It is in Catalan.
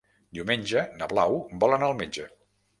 Diumenge na Blau vol anar al metge.